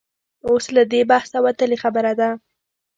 اوس له دې بحثه وتلې خبره ده.